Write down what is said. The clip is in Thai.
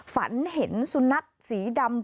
ฝันเห็นสุนัขสีดำ